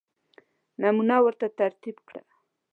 نمونه ورته ترتیب کړه.